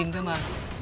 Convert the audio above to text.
một mươi thôi mà